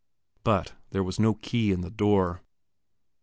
But there was no key in the door.